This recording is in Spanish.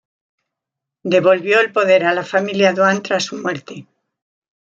Devolvió el poder a la familia Duan tras su muerte.